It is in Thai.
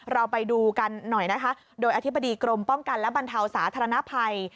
เราไปดูกันหน่อยนะคะโดยอธิบดีกรมป้องกันและบรรเทาสาธารณภัย